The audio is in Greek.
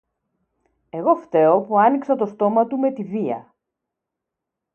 Εγώ φταίγω που άνοιξα το στόμα του με τη βία